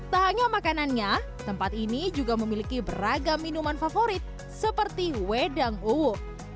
tak hanya makanannya tempat ini juga memiliki beragam minuman favorit seperti wedang uwu